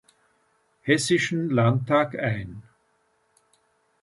Hessischen Landtag ein.